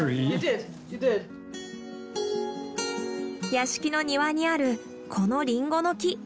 屋敷の庭にあるこのリンゴの木。